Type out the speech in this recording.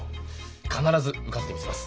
必ず受かってみせます。